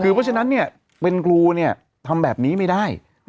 คือเพราะฉะนั้นเนี่ยเป็นครูเนี่ยทำแบบนี้ไม่ได้